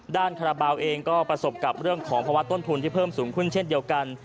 คาราบาลเองก็ประสบกับเรื่องของภาวะต้นทุนที่เพิ่มสูงขึ้นเช่นเดียวกัน